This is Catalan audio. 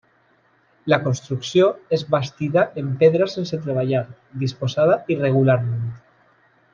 La construcció és bastida en pedra sense treballar disposada irregularment.